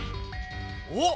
おっ！